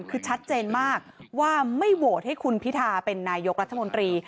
คือชัดเจนมากว่าไม่โหวตให้คุณพิทาเป็นนายกรัฐมนตรี